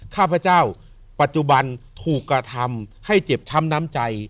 ข้าพเจ้าปัจจุบันถูกกระทำให้เจ็บช้ำน้ำใจ